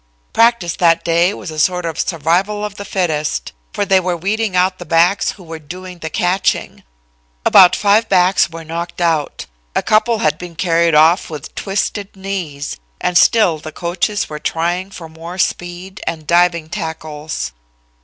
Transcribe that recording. Practice that day was a sort of survival of the fittest, for they were weeding out the backs, who were doing the catching. About five backs were knocked out. A couple had been carried off, with twisted knees, and still the coaches were trying for more speed and diving tackles.